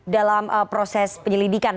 dalam proses penyelidikan